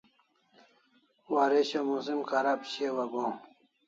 Waresho musim kharab shiau agohaw